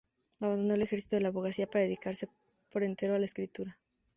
Abandona el ejercicio de la abogacía para dedicarse por entero a la escritura.